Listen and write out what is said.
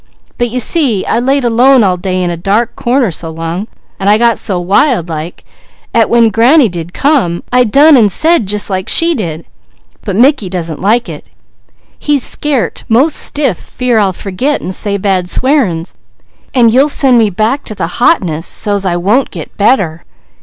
But you see, I laid alone all day in a dark corner so long, an' I got so wild like, 'at when granny did come, I done an' said jus' like she did, but Mickey doesn't like it. He's scairt 'most stiff fear I'll forget an' say bad swearin's, an' you'll send me back to the hotness, so's I won't get better.